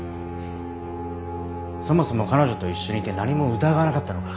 そもそも彼女と一緒にいて何も疑わなかったのか？